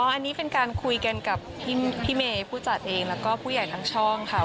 อันนี้เป็นการคุยกันกับพี่เมย์ผู้จัดเองแล้วก็ผู้ใหญ่ทั้งช่องค่ะ